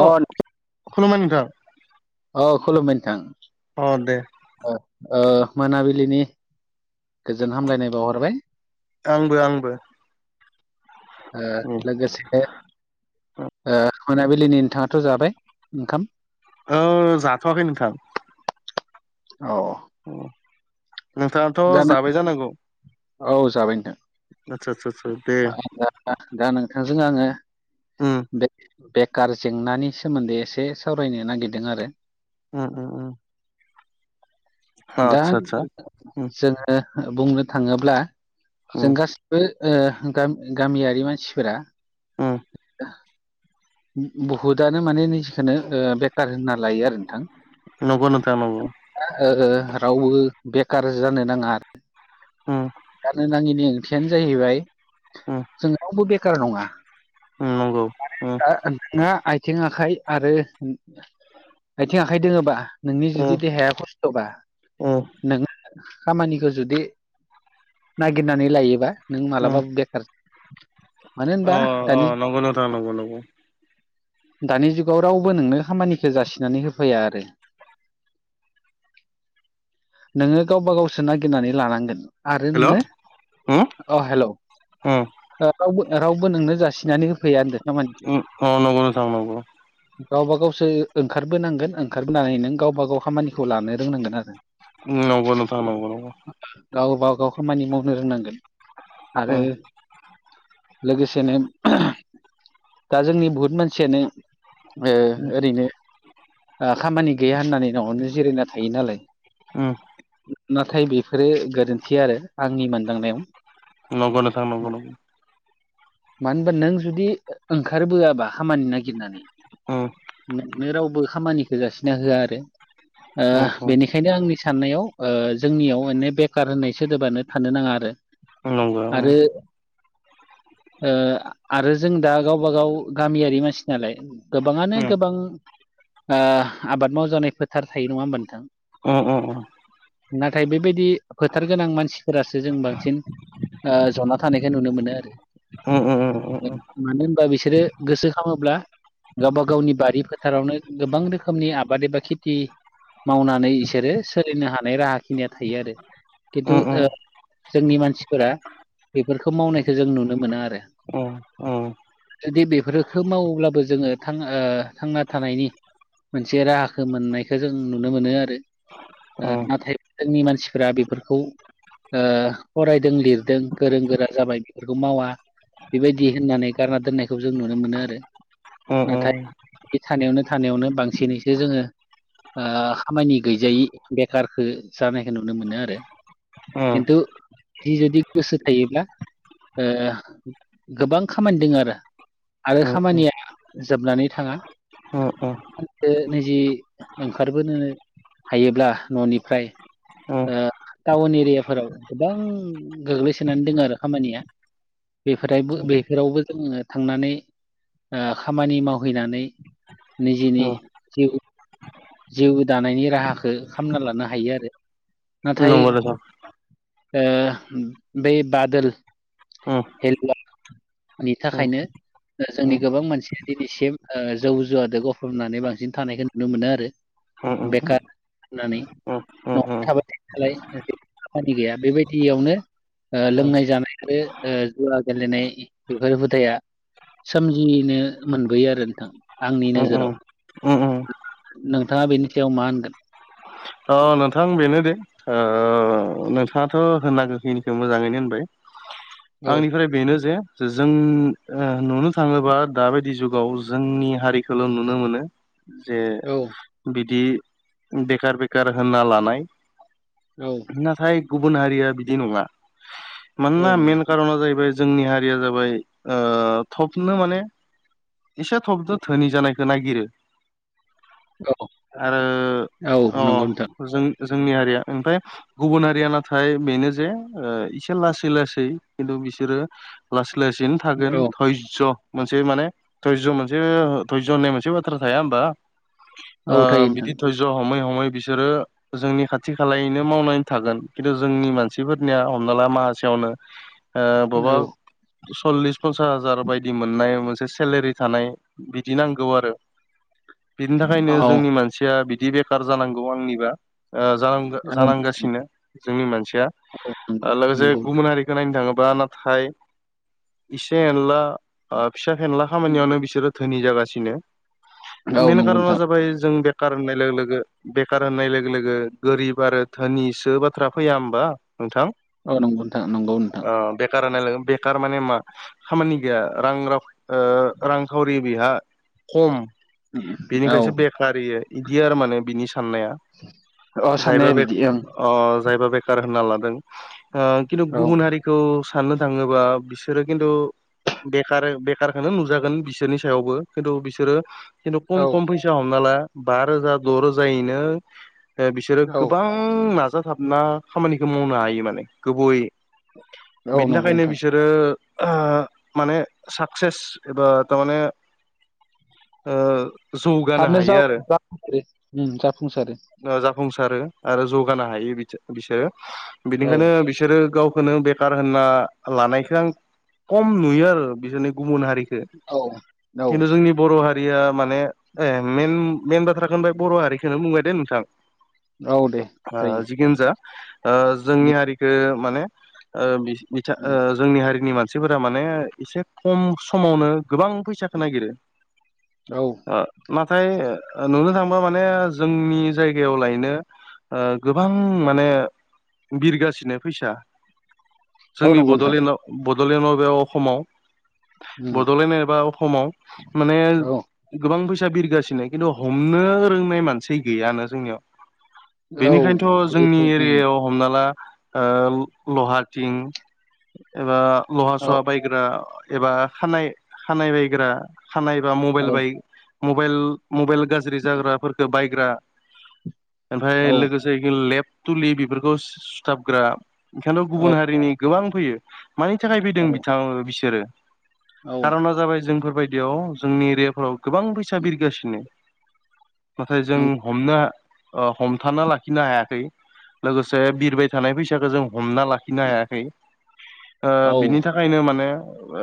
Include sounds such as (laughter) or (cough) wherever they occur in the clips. अ खुलुमबाय नोंथां। अ खुलुमबाय नोंथां। अ दे। ओ मोनाबिलिनि गोजोन हामलायनाय बावहरबाय‌। आंबो आंबो। ओ उम लोगोसे ओ मोनाबिलिनि नोंथाङाथ' जाबाय ओंखाम ओ जाथ'वाखै नोंथां अ नोंथाङाथ' नों जाबाय जानांगौ औ जाबाय आदसा आदसा आदसा दे नोंथां दा नोंथांजों आङो उम बे-बेखार जेंनानि सोमोन्दै एसे सावरायनो नागिरदों आरो उम उम‌ उम दा आदसा आदसा उम जोङो बुंनो थाङोब्ला उम जों गास बो ओ गाम-गामियारि मानसिफोरा उम बहुदानो माने निजेखोनो बेखार होनना लायो आरो नोंथां। नंगौ नोंथां नंगौ ओ ओ रावबो बेखार जानो नाङा आरो उम गारनो नाङैनि ओंथियानो जाहैबाय ओम जों रावबो बेखार नङा ओम नंगौ। मानो उम होनबा जोङो आयथें आखाइ आरो आयथें आखाइ दोङोबा नोंनि जुदि उम देहाया खस्थ'बा उम खामानिखो जुदि नागिरनानै लायोबा नों उम मालाबाो बेखार मानो अ होनबा अ दानि नंगौ नोंथां नंगौ नंगौ। दानि जुगाव रावबो नोंनो खामानिखो जासिनानै होफैया आरो (inaudible) नोङो गावबा गावसो नागिरनानै लानांगोन आरो हेल' नोङो उम उम अ हेल' उम ओ रावबो रावबो नोंनो जासिनानै होफैया होनदो खामानि उम ओ नंगौ नोंथां नंगौ गावब गावसो ओंखारबोनांगोन ओंखारबोनानै नों गावबा गाव खामानिखौ लानो रोंनांगोन आरो उम नंगौ नोंथां नंगौ नंगौ। गावबागाव खामानि मावनो रोंनांगोन आरो उम लोगोसेनो दा जोंनि बुहुत मानसियानो ओ ओरैनो आ खामानि गैया होननानै न'आवनो जिरायना थायो नालाय उम नाथाय बेफोरो गोरोन्थि आरो आंनि मोनदांनायाव। नंगौ नोंथां नंगौ नंगौ मानो होनबा नों जुदि ओंखारबोआबा खामानि नागिरनानै उम नोंनो रावबो खामानिखौ जासिना होआ आरो ओ उम उम बेनिखायनो आंनि साननायाव ओ जोंनियाव मानेे बेखार होननाय सोदोबानो थानो नाङा आरो नंगौ उम आरो ओ आरो जों दा गावबा गाव गामियारि मानसि नालाय गोबाङानो गोबां ओ आबाद मावजानाय फोथार थायो नङा होमब नोंथां उम उम उम नाथाय बेबायदि फोथार गोनां मानसिफोरासो जों बांसिन ओ जना थानायखौ नुनो मोनो आरो उम उम उम उम मानो होनबा बिसोरो गोसो खामोब्ला गावबा गावनि बारि फोथारावनो गोबां रोखोमनि आबाद एबा खेथि मावनानै इसोरो सोलिनो हानाय राहा खिनिया थायो आरो खिन्थु ओ जोंनि मानसिफोरा बेफोरखौ मावनायखौ जों नुनो मोना आरो उम उम जुदि बेफोरफोरखौ मावोब्लाबो जोङो ओ थांना थानायनि मोनसे राहाखौ मोननायखौ जों नुनो मोनो आरो ओ नाथाय जोंनि मानसिफोरा बेफोरखौ ओ फरायदों लिरदों गोरों गोरा जाबाय बेफोरखौ मावा बेबायदि होननानै गारना दोननायखौ जों नुनो मोनो आरो नाथाय बे थानायावनो थानायावनो बांसिनैसो जोङो ओ खामानि गैजायै बेखारखो जानायखौ नुनो मोनो आरो खिन्थु इ जुदि गोसो थायोब्ला ओ गोबां खामानि दोङो आरो आरो खामानिया जोबनानै थाङा (unintelligible) ओंखारबोनो हायोब्ला ननिफ्राय ओ टाउन एरियाफोराव गोबां गोग्लैसोनानै दोङो आरो खामानिया बेफोरायबो बेफोरावबो जोङो थांनानै ओ खामानि मावहैनानै निजेनि जिउ जिउ दानायनि राहाखौ खालामना लानो हायो आरो नाथाय नोंथां ओ बै बादोल (unintelligible) नि थाखायनो ओ जोंनि गोबां मानसिया दिनैसिम ओ जौ जुवाद गफ्लबनानै बांसिन थानायखौ नुनो मोनो आरो बेखार होननानै (unintelligible) खामानि गैया बेबायदियावनो ओ लोंनाय जानाय आरो ओ जुवा गेलेनाय बेफोर हुदाया सोमजिनो मोनबोयो आरो नोंथां आंनि नोजोराव अ नोंथाङा बेनि सायाव मा होनगोन थ नोंथां बेनो दे ओ नोंथाङाथ होननांगो खिनिखौ मोजाङैनो होनबाय औ आंनिफ्राय बेनो जे जों ओ नुनो थाङोबा दाबायदि जुगाव जोंनि हारि खौल नुनो मोनो जे औ बिदि बेखार बेखार होनना लानाय औ। नाथाय गुबुन हारिया बिदि नङा औ मानोना नङा मेन कारना जाहैबाय। जोंनि हारिया जाबाय ओ थबनो माने। इसे थबजों धोनि जानायखौ नागिरो आरो औ अ औ नंगौ नोंथां जों जोंनि हारिया ओमफ्राय गुबुन हारिया नाथाय बेनो जे इसे लासै लासै खिन्थु बिसोरो लासै लासैनो थागोन औ धयज्ज' मोनसे माने धयज' मोनसे धयज' होननाय मोनसे बाथ्रा थाया होमबा औ ओ थायो नोंथां बिदि धयज' हमै हमै बिसोरो जोंनि खाथि खालायैनो मावनानै थागोन खिन्थु जोंनि मानसिफोरनिया हमना ला माहोसेयावनो ओ बबा चल्लिस पन्सास हाजार बायदि मोननाय मोनसे सेलेरि थानाय बिदि नांगौ आरो बिनि थाखायनो औ औ जोंनि मानसिया बिदि बेकार जानांगौ आंनिबा ओ जानां औ जांगासिनो जोंनि मानसिया औ नंगौ लोगोसे नंगौ गुबुन हारि नायनो थाङोबा नाथाय इसे एनला ओ फिसा फेनला खामानियावनो बिसोरो धोनि जागासिनो औ मेन नंगौ कारना नोंथां जाबाय जों बेखार होननाय लोगो लोगो बेकार होननाय लोगो लोगो गोरिब आरो धोनिसो बाथ्रा फैया होमबा नोंथां औ नंगौ नोंथां नंगौ नोंथां बेकार (unintelligible) बेकार माने मा खामानि गैया रां राव ओ रांखावरि बेहा कम बेनिखायसो औ बेकार इयो इदि आरो माने बिनि साननाया अ जायबा साननाया बे बिदि ओं अ जायबा बेखार होनना लादों ओ किन्तु औ गुबुन हारि खौ साननो थाङोबा बिसोरो किन्तु बेकारो बेकारखौनो नुजागोन बिसोरनि सायावबो किन्तु बिसोरो किन्तु कम औ कम फैसा हमना ला बा रोजा द' रोजायैनो ओ बिसोरो औ गोबां म् नाजाथाबना खामानिखौ मावनो हायो माने गुबैयै औ बिनि नंगौ थाखायनो नोंथां बिसोर माने साक्सेस एबा तामाने ओ जौगानो थाबनो हायो जाव जाफ जाफुंसारो ओ जाफुंसारो आरो जौगानो हायो बि बिसोरो औ बिनिखाइनो बि बिसोरो गावखौनो बेकार होनना लानायखो आं कम नुयो आरो बिसोरनि गुबुन हारि खो औ औ किन्तु जोंनि बर' हारिया माने ए मेन मेन बाथ्राखो होनबाय बर' हारिखोनो बुंबाय दे नोंथां औ दे जायो जिकुनु जा ओ जोंनि उम हारिखो माने ओ बि बिथा ओ उम जोंनि हारिनि मानसिफोरा माने इसे कम समावनो गोबां फैसाखौ नागिरो (inaudible) औ ओ नाथाय ओ नुनो थां माने जोंनि जायगायाव लायनो ओ गोबां माने बिरगासिनो फैसा औ जोंनि नंगौ नोंथां बड'लेण्डआव बड'लेण्डआव बे अखम आव उम बड'लेण्ड एबा अखम आव माने औ गोबां फैसा बिरगासिनो किन्तु हमनो रोंनाय मानसै गैयानो जोंनियाव औ बेनिखायनोथ' बेथ' जोंनि उम एरियायाव हमना ला ओ लहाटिं एबा लहा औ सहा बायग्रा एबा खानाय खानाय बायग्रा खानाय बा औ मबाएल बाय मबाइल मबाइल गाज्रि जाग्राफोरखौ बायग्रा ओमफ्राय औ लोगो जायखो लेप तुलि बिफोरखौ सुथाबग्रा ओंखायनोथ' औ गुबुन हारिनि गोबां फैयो। मानि थाखाय फैदों औ बिथां बिसोरो औ कारना जाबाय जोंफोरबाय दियाव जोंनि एरियाफोराव गोबां फैसा बिरगासिनो नाथाय जों नंगौ हमनो ओ हमथाना लाखिनो हायाखै लोगोसे बिरबाय थानाय फैसाखो जों हमना लाखिनो हायाखै ओ औ बिनि था खायनो माने ओ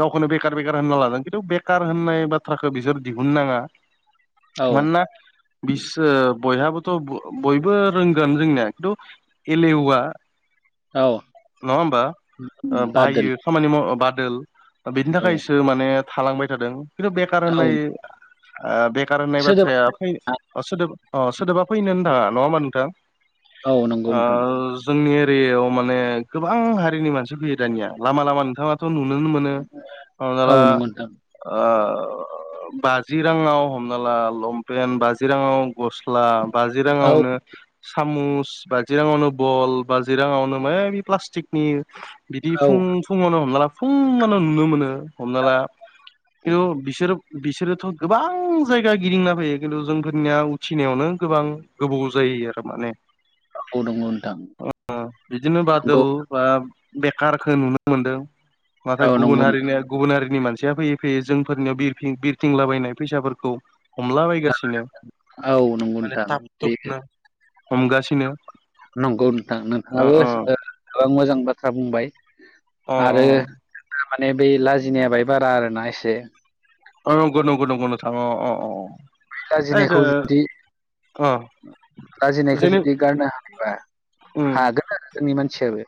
गावखौनो बेकार बेकार होनना लादों खिन्तु बेकार होननाय बाथ्राखौ बिसोर दि हुन नाङा औ मानोना बिसो बयहाबोथ' ब बयबो रोंगोन जोंनिया खिन्तु एलेहुवा औ नङा ओमबा ओ बादोल बायो। खामानि माव बादोल बिनि औ थाखायसो माने थालांबाय थादों खिन्तु बेकार औ होननाय ओ बेखार होननाय सोदोब बाथ्राया फै ओ‌ सोदोब अ सोदोबा फैनोनो थाङा नङा ओमबा नोंथां? औ नंगौ ओ नोंथां जोंनि एरियाव माने गोबां हारिनि मानसि फैयो दानिया लामा लामा नोंथाङा थ' नुुनोनो मोनो हमना औ ला नंगौ नोंथां ओ बाजि राङाव हमना ला लंपेट बाजि राङाव गस्ला बाजि औ राङावनो सामुस बाजि राङावनो बल बाजि राङावनो मायबा मायबि प्लास्टिकनि बिदि औ फुं फुङावनो हमना ला फुङावनो नुनो मोनो हमना ला खिन्थु बिसोर बिसोरो। थ' गोबां जायगा गिदिंना फैयो खिन्तु जोंफोरनिया उथिनायावनो गोबां गोबाव जायो आरो माने (inaudible) औ नंगौ नोंथां अ बिदिनो नंगौ बादोल बा बेकारखो नुनो मोनदों नाथाय औ गुबुन नंगौ हारिनिया गुबुन हारिनि मानसिया फैयै फैयै जोंफोरनियाव बिरफिं बि रफिंलाबायनाय फैसाफोरखौ हमला नोंथां बायगासिनो औ नंगौ माने नोंथां ताब बे तुबनो हमगासिनो। नंगौ नोंथां अ नोंथाङाबो अ ओ गोबां मोजां बाथ्रा बुंबाय। अ अ आरो जोंना माने (unintelligible) बै लाजिनाया बाय बारा आरोना एसे। अ नंगौ नंगौ नंगौ नोंथां अ अ अ। बै ओइ दो लाजिनायखौ जुदि अ लाजिनायखो जेने जुदि गारनो हायोबा उम हागोन आरो। जोंनि मानसिनयाबो।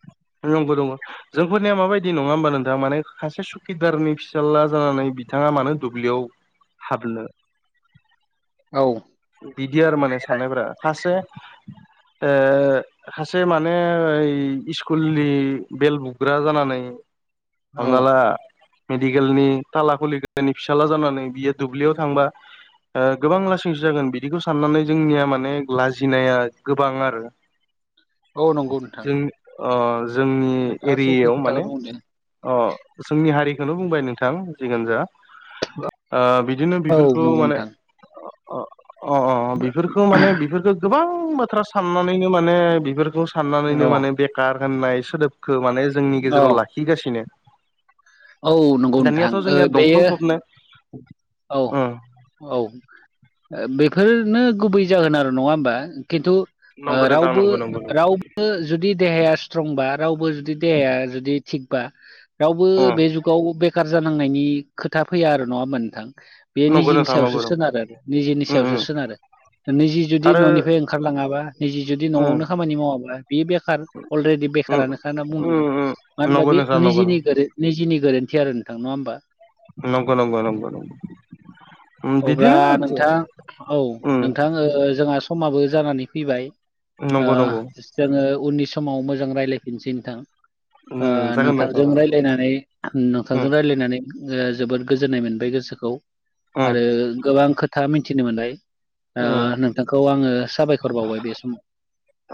नंगौ दङ। (unintelligible) जोंफोरनिया माबायदि नङा ओमबा नोंथां माने खासे सुकिदारनि फिसाज्ला जानानै बिथाङा मानो दुब्लियाव हाबनो औ। बिदि आरो साननायफोरा खासे ओ खासे माने ओइ इस्कुलनि बेल बुग्रा जानानै औ हमना ला मेडिकेलनि ताला खुलिग्रानि फिसाला जानानै बियो दुब्लिआव थांबा ओ गोबां लासिं सिं जागोन बिदिखौ साननानै जोंनिया माने लाजिनाया गोबां आरो। औ नंगौ नोंथां। ओ जोंनि नोंथाङा सैथो एरियायाव माने। खोथाखौनो बुंदों अ जोंनि हारिखौनो बुंबाय नोंथां जिखुनजा। ओ बिदिनो औ बेफोरखौ नंगौ माने। नोंथां अ अ अ बेफोरखौ माने बेफोरखौ गोबां बाथ्रा साननानैनो माने बेफोरखौ साननानैनो औ माने बेखार होननाय सोदोबखौ माने जोंनि औ गेजेराव लाखिगासिनो। औ नंगौ नोंथां दानियाथ' ओ जोंनिया बेयो दमखल फबनो। औ औ। ओ बेफोरनो गुबै जागोन आरो नङा होमबा खिन्थु ओ नंगौ नोंथां रावबो नंगौ नंगौ राव बो जुदि देहाया स्ट्रंबा रावबो जुदि देहाया जुदि थिगबा रावबो नंगौ बे जुगाव बेखार जानांनायनि खोथा फैया आरो नङा होमबा नोंथां बे नंगौ निजिनि नोंथां सायावसो नंगौ सोनारो निजिनि उम सायावसो उम सोनारो निजि जुदि आरो न'निफ्राय ओंखारलाङाबा निजि जुदि उम न'आवनो खामानि मावाब्ला बियो बेखार अलरेडि उम बेखारानोखा होनना बुंनांगोन उम उम मानो होनबा नंगौ बे नोंथां नंगौ निजिनि गोरो निजिनि गोरोन्थि आरो नोंथां नङा होमबा नंगौ नंगौ नंगौ नंगौ उम अब्ला बिदिनो जो नोंथां औ उम नोंथां ओ जोंहा समाबो जानानै फैबाय ओ नंगौ नंगौ जोङो उननि समाव मोजां रायलायफिनसै नोंथां उम ओ जागोन नोंथां नोंथांजों जागोन रायलायनानै उम नोंथांजों रायलायनानै ओ जोबोद गोजोननाय मोनबाय गोसोखौ उम आरो गोबां खोथा मिथिनो मोनबाय उम ओ नोंथांखौ आङो साबायखर बावबाय बे समाव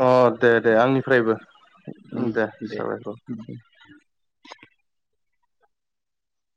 अ दे दे दे आंनिफ्रायबो उम दे उम साबायखर